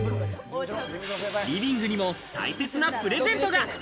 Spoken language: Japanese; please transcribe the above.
リビングにも大切なプレゼントが。